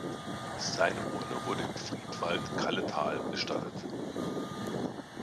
Seine Urne wurde im Friedwald Kalletal bestattet.